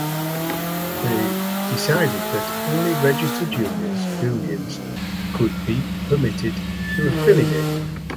They decided that only registered unions would be permitted to affiliate.